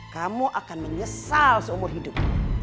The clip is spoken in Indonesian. kamu akan menyesal seumur hidup